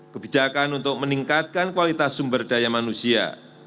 kebijakan untuk meningkatkan kualitas sumber daya manusia